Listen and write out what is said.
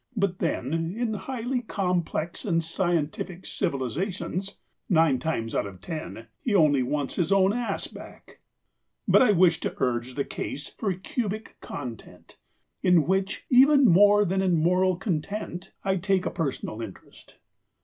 But, then, in highly complex and scientific civilisations, nine times out of ten, he only wants his own ass back. But I wish to urge the case for cubic content; in which (even more than in moral content) I take a personal interest.